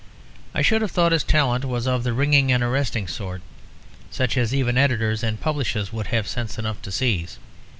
I should have thought his talent was of the ringing and arresting sort; such as even editors and publishers would have sense enough to seize.